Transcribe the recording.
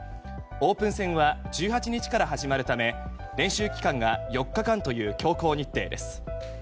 オープン戦は１８日から始まるため練習期間が４日間という強行日程です。